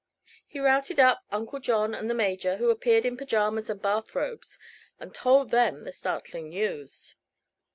He routed up Uncle John and the Major, who appeared in pajamas and bath robes, and told them the startling news.